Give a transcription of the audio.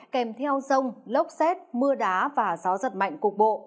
kèm theo rông lốc xét mưa đá và gió giật mạnh cục bộ